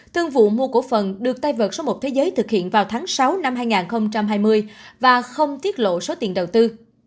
thương vụ mua cổ phần được tay vợt số một thế giới thực hiện vào tháng sáu năm hai nghìn hai mươi và không tiết lộ số tiền đầu tư